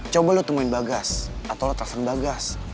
coba lo temuin bagas atau lo tersen bagas